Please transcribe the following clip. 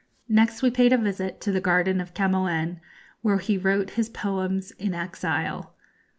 Next we paid a visit to the garden of Camoens, where he wrote his poems in exile.